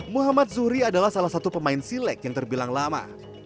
muhammad zuhri adalah salah satu pemain silek yang terbilang lama